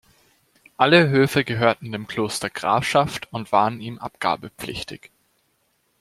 Alle Höfe gehörten dem Kloster Grafschaft und waren ihm abgabepflichtig.